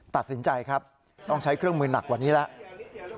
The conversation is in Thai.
ตัดสินใจครับต้องใช้เครื่องมือหนักกว่านี้แล้ว